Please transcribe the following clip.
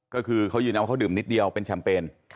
ก็คือเขายืนเอาว่าเขาดื่มนิดเดียวเป็นแชมเปญ